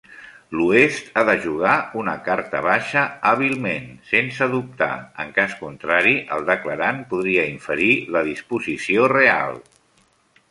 L'oest ha de jugar una carta baixa hàbilment, sense dubtar. En cas contrari, el declarant podria inferir la disposició real.